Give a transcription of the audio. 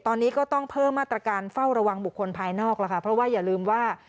ตอนนี้ก็ต้องเพิ่มมาตรการเฝ้าระวังบุคคลภายนอกแล้วค่ะเพราะว่าอย่าลืมว่า